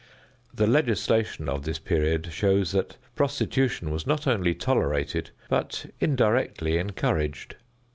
The legislation of this period shows that prostitution was not only tolerated, but indirectly encouraged.